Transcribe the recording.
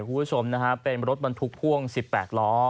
คุณผู้ชมนะฮะเป็นรถบรรทุกพ่วง๑๘ล้อ